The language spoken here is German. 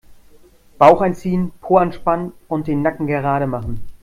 Bauch einziehen, Po anspannen und den Nacken gerade machen.